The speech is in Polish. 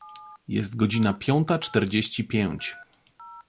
Jest godzina piąta czterdzieści pięć.